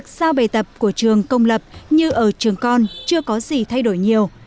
sao bài tập của trường công lập như ở trường con chưa có gì thay đổi nhiều